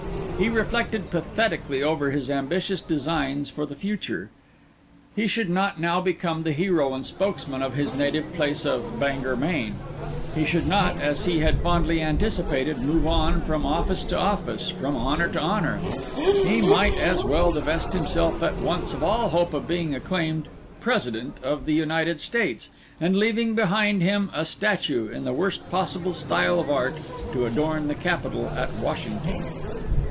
He reflected pathetically over his ambitious designs for the future; he should not now become the hero and spokesman of his native place of Bangor, Maine; he should not, as he had fondly anticipated, move on from office to office, from honour to honour; he might as well divest himself at once of all hope of being acclaimed President of the United States, and leaving behind him a statue, in the worst possible style of art, to adorn the Capitol at Washington.